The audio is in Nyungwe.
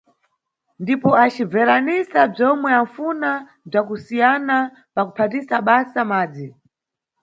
Ndipo acibveranisa bzomwe anʼfuna bza kusiyana pa kuphatisa basa madzi.